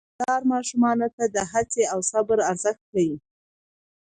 پلار ماشومانو ته د هڅې او صبر ارزښت ښيي